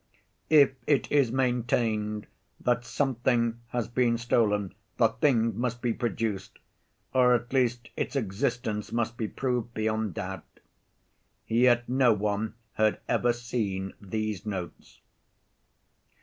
If it is maintained that something has been stolen, the thing must be produced, or at least its existence must be proved beyond doubt. Yet no one had ever seen these notes.